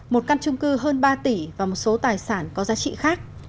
một căn trung cư hơn ba tỷ và một số tài sản có giá trị khác